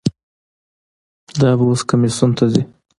دا به اوس کمیسیون ته ځي.